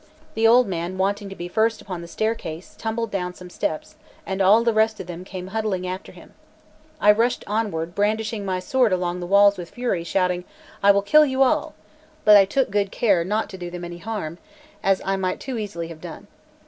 The old man wanting to be first upon the staircase, tumbled down some steps, and all the rest of them came huddling after him. I rushed onward, brandishing my sword along the walls with fury, and shouting: "I will kill you all!" but I took good care not to do them any harm, as I might too easily have done.